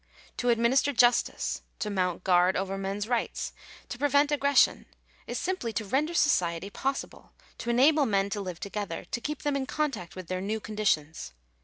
To administer justice, — to mount guard ( over men's rights, — to prevent aggression, — is simply to render 1 society possible, to enable men to live together — to keep them j] in contact with their new conditions.